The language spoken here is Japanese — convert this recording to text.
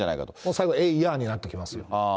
最後えいやになってきますよ。